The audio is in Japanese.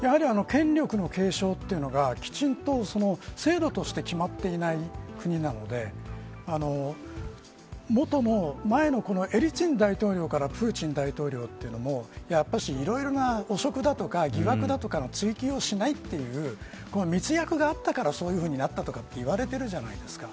やはり、権力の継承というのがきちんと制度として決まっていない国なので元の前のエリツィン大統領からプーチン大統領というのもいろいろな汚職や疑惑の追記をしないという密約があったからそういうふうになったとか言われているじゃないですか。